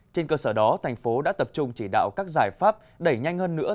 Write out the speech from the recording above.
trên cơ sở đó thành phố đã tập trung chỉ đạo các giải pháp đẩy nhanh hơn nữa